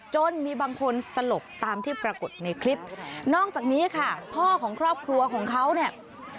จนมีบางคนสลบตามที่ปรากฏในคลิปนอกจากนี้ค่ะพ่อของครอบครัวของเขาเนี่ย